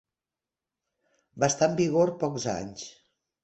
Va estar en vigor pocs anys.